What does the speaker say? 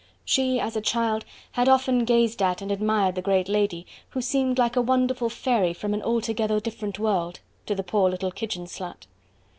She as a child had often gazed at and admired the great lady, who seemed like a wonderful fairy from an altogether different world, to the poor little kitchen slut.